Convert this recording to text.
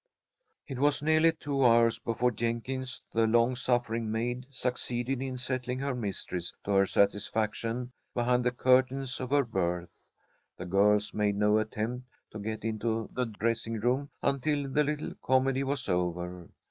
It was nearly two hours before Jenkins, the long suffering maid, succeeded in settling her mistress to her satisfaction behind the curtains of her berth. The girls made no attempt to get into the dressing room until the little comedy was over.